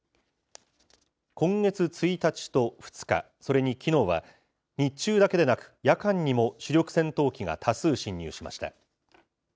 今月１日と２日、それにきのうは、日中だけでなく夜間にも主力戦闘機が多数進入しました。